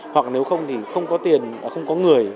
hoặc nếu không thì không có tiền không có người